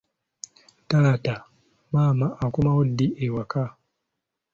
Taata, maama akomawo ddi ewaka?